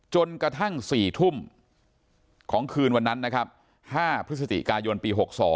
จนกระทั่ง๔ทุ่มของคืนวันนั้นนะครับ๕พฤศจิกายนปี๖๒